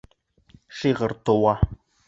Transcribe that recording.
Шиғыр тыуа.